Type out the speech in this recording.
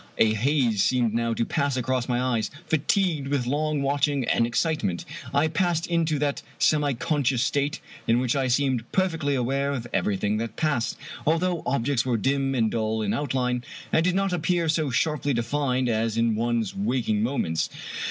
A haze seemed now to pass across my eyes. Fatigued with long watching and excite ment, I passed into that semiconscious state in which I seemed perfectly aware of everything that passed, although objects were dim and dull in outline, and did not appear so sharply defined as in one's waking moments.